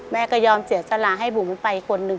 แม่ก็ยอมเสียสละให้บุ๋มไปคนหนึ่ง